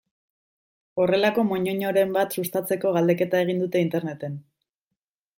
Horrelako moñoñoren bat sustatzeko galdeketa egin dute Interneten.